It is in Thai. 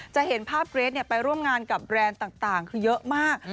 จะเห็นภาพเกรทไปร่วมงานกับแบรนด์ต่างคือเยอะมาก